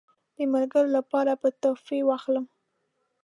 د ملګرو لپاره به تحفې واخلم.